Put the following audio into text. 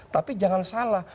tapi jangan salah